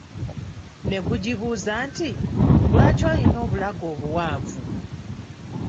Negugibuuza nti, lwaki olina obulago obuwanvu?